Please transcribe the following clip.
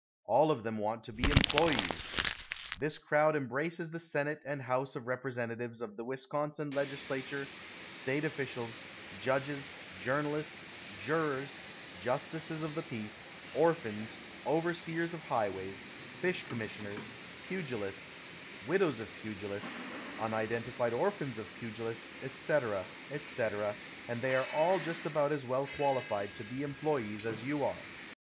All of them want to be employes. This crowd embraces the Senate and House of Representatives of the Wisconsin Legislature, State officials, judges, journalists, jurors, justices of the peace, orphans, overseers of highways, fish commissioners, pugilists, widows of pugilists, unidentified orphans of pugilists, etc., etc., and they are all just about as well qualified to be employes as you are.